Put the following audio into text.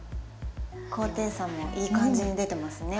高低差もいい感じに出てますね。